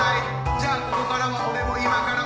じゃあここからは俺も今から